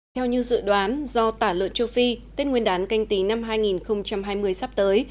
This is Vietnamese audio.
theo như dự đoán do tả lợn châu phi tết nguyên đán canh tí năm hai nghìn hai mươi sắp tới